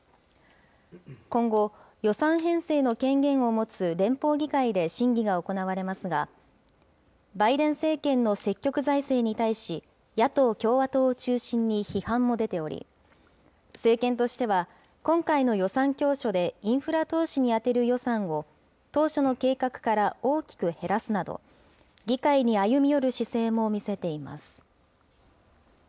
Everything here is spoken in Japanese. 今後、予算編成の権限を持つ連邦議会で審議が行われますが、バイデン政権の積極財政に対し、野党・共和党を中心に批判も出ており、政権としては、今回の予算教書でインフラ投資に充てる予算を当初の計画から大きく減らすなど、議会に歩み寄る姿勢も見せています。